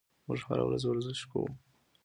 موږ هره ورځ ورزش کوو.